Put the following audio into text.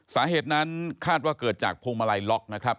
สาเหตุนั้นคาดว่าเกิดจากพวงมาลัยล็อกนะครับ